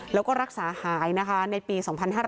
แล้วก็รักษาหายในปี๒๕๖๐